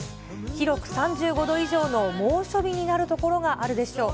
広く３５度以上の猛暑日になる所があるでしょう。